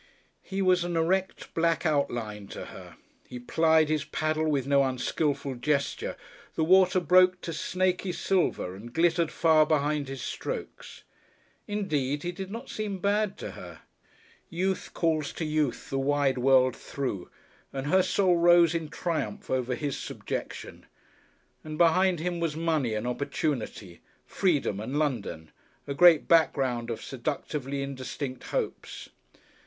He was an erect, black outline to her; he plied his paddle with no unskilful gesture, the water broke to snaky silver and glittered far behind his strokes. Indeed, he did not seem bad to her. Youth calls to youth the wide world through, and her soul rose in triumph over his subjection. And behind him was money and opportunity, freedom and London, a great background of seductively indistinct hopes.